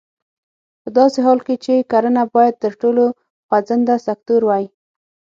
په داسې حال کې چې کرنه باید تر ټولو خوځنده سکتور وای.